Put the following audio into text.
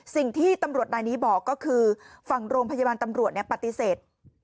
สิ่งที่ตำรวจนายนี้บอกก็คือฝั่งโรงพยาบาลตำรวจปฏิเสธ